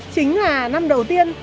chính là năm đầu tiên